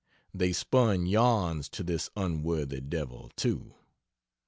They spun yarns to this unworthy devil, too.